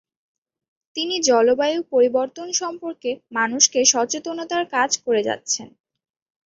তিনি জলবায়ু পরিবর্তন সম্পর্কে মানুষকে সচেতনতার কাজ করে যাচ্ছেন।